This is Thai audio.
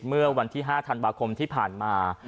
เมื่อวันที่๕ธันวาคมที่ผ่านมา